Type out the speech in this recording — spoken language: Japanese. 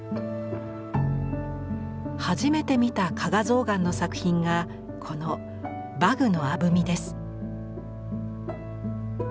初めて見た加賀象嵌の作品がこの馬具の鐙です。